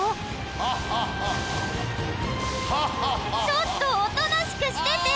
ちょっとおとなしくしてて！